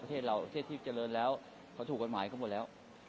โปรดติดตามตอนต่อไป